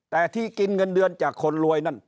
แต่ที่กินเงินเดือนจากคนรวยนั่น